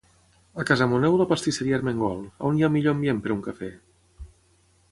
A Casamoner o la pastisseria Armengol, on hi ha millor ambient per un cafè?